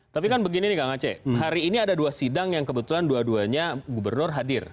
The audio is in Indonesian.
tapi kan begini nih kang aceh hari ini ada dua sidang yang kebetulan dua duanya gubernur hadir